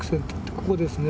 ここですね。